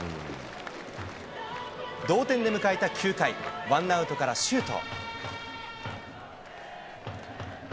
同点で迎えた９回、ワンアウトから周東。